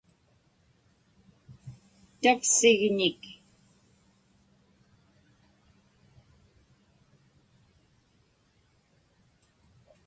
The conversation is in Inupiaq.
tavsignik